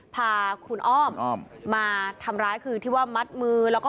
พาคุณอ้อมมาทำร้ายคือที่ว่ามัดมือแล้วก็